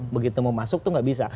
begitu mau masuk itu tidak bisa